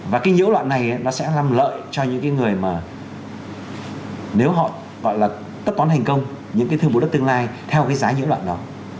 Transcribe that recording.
và cái nhiễu loạn này nó sẽ làm lợi cho những cái người mà nếu họ gọi là tất toán thành công những cái thương vụ đất tương lai theo cái giá nhiễu loạn đó